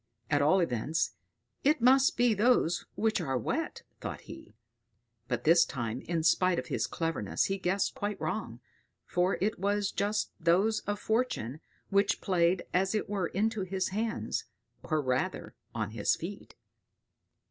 "At all events it must be those which are wet," thought he; but this time, in spite of his cleverness, he guessed quite wrong, for it was just those of Fortune which played as it were into his hands, or rather on his feet.